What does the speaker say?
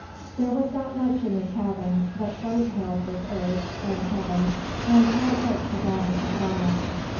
There was not much in the cabin, but what it held was earth, and heaven, and all else to Donald MacDonald.